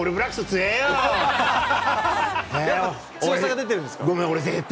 強さが出てんですか。